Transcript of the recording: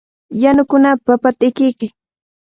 Yanukunapaq papata ikiykay.